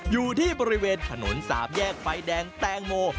อยู่ที่บริเวณถนนสามแยกไฟแดงแตงโม